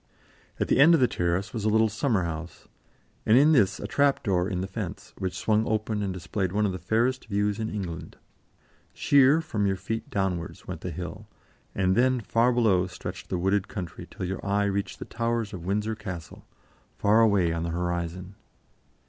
At the end of the terrace was a little summer house, and in this a trap door in the fence, which swung open and displayed one of the fairest views in England. Sheer from your feet downwards went the hill, and then far below stretched the wooded country till your eye reached the towers of Windsor Castle, far away on the horizon.